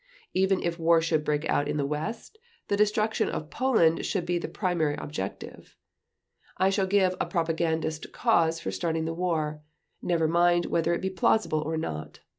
Even if war should break out in the West, the destruction of Poland shall be the primary objective. I shall give a propagandist cause for starting the war—never mind whether it be plausible or not.